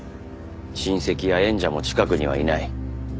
親戚や縁者も近くにはいない。